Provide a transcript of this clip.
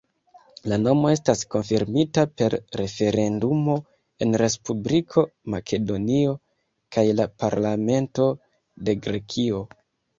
La nomo estas konfirmita per referendumo en Respubliko Makedonio kaj la parlamento de Grekio.